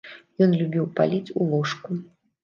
Ён любіў паліць у ложку.